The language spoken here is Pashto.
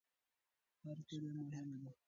هر کړۍ مهمه ده.